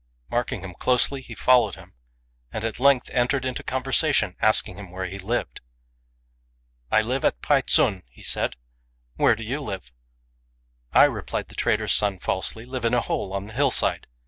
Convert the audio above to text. Marking him closely, he followed him, and at length entered into conversation, asking him where he lived. "I live at Pei ts'un," said he; "where do you live?" "I," replied the trader's son, falsely, "live in a hole on the hill side."